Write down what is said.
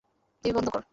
TV বন্ধ কর।